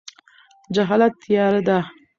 جهالت تیاره ده.